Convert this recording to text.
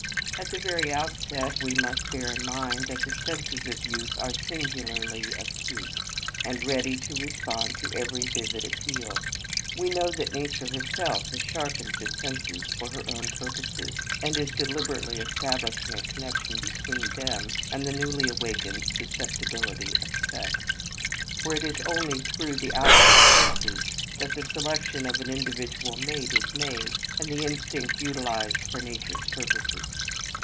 At the very outset we must bear in mind that the senses of youth are singularly acute, and ready to respond to every vivid appeal. We know that nature herself has sharpened the senses for her own purposes, and is deliberately establishing a connection between them and the newly awakened susceptibility of sex; for it is only through the outward senses that the selection of an individual mate is made and the instinct utilized for nature's purposes.